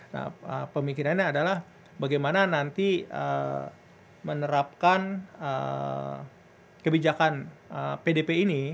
nah pemikirannya adalah bagaimana nanti menerapkan kebijakan pdp ini